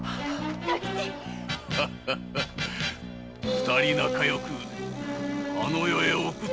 二人仲よくあの世へ送ってやる！